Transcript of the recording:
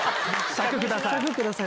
笏ください